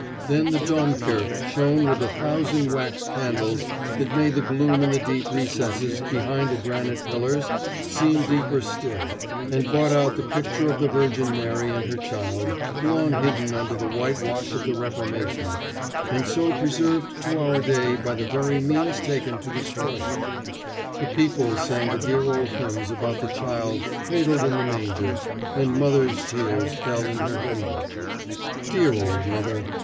Then the Domkirke shone with a thousand wax candles that made the gloom in the deep recesses behind the granite pillars seem deeper still, and brought out the picture of the Virgin Mary and her child, long hidden under the whitewash of the Reformation, and so preserved to our day by the very means taken to destroy it. The people sang the dear old hymns about the child cradled in the manger, and mother's tears fell in her hymn book. Dear old mother!